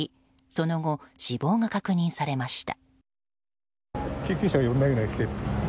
その後、死亡が確認されました。